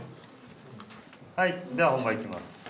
はいでは本番いきます